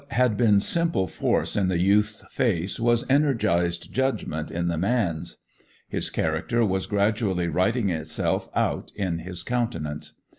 What had been simple force in the youth's face was energized judgment in the man's. His character was gradually writing itself out in his countenance.